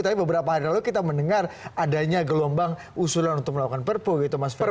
tapi beberapa hari lalu kita mendengar adanya gelombang usulan untuk melakukan perpu gitu mas ferry